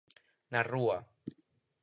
Na rúa.